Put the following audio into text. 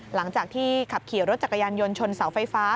หลังจากที่ขับขี่รถจักรยานยนต์ชนเสาไฟฟ้า